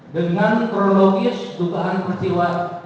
dengan kronologis tukahan peristiwa